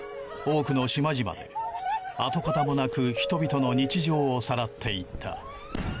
多くの島々で跡形もなく人々の日常をさらっていった。